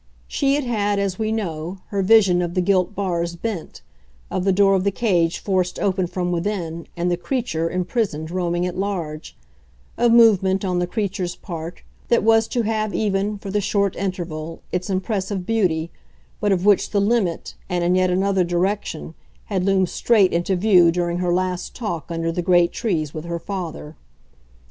She had had, as we know, her vision of the gilt bars bent, of the door of the cage forced open from within and the creature imprisoned roaming at large a movement, on the creature's part, that was to have even, for the short interval, its impressive beauty, but of which the limit, and in yet another direction, had loomed straight into view during her last talk under the great trees with her father.